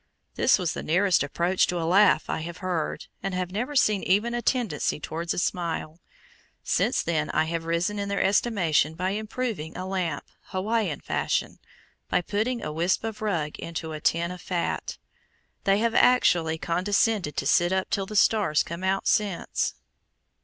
This was the nearest approach to a laugh I have heard, and have never seen even a tendency towards a smile. Since then I have risen in their estimation by improvizing a lamp Hawaiian fashion by putting a wisp of rag into a tin of fat. They have actually condescended to sit up till the stars come out since.